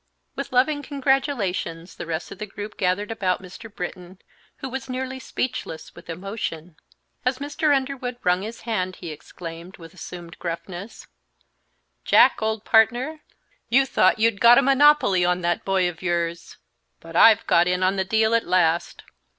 With loving congratulations the rest of the group gathered about Mr. Britton, who was nearly speechless with emotion. As Mr. Underwood wrung his hand he exclaimed, with assumed gruffness, "Jack, old partner, you thought you'd got a monopoly on that boy of yours, but I've got in on the deal at last!"